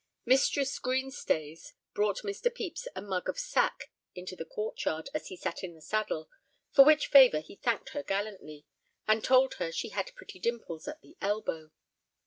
Mistress Green Stays brought Mr. Pepys a mug of sack into the court yard as he sat in the saddle, for which favor he thanked her gallantly, and told her she had pretty dimples at the elbow.